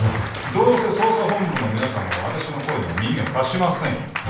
どうせ捜査本部の皆さんは私の声には耳を貸しませんよ